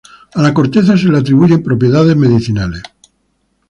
A la corteza se le atribuyen propiedades medicinales.